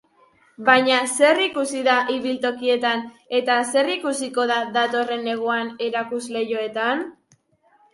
Baina zer ikusi da ibiltokietan eta zer ikusiko da datorren neguan erakusleihoetan?